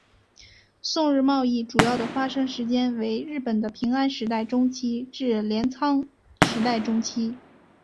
宋日贸易主要的发生时间为日本的平安时代中期至镰仓时代中期。